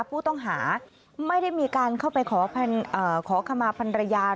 ผู้ต้องหาไม่ได้มีการเข้าไปขอขมาพันรยา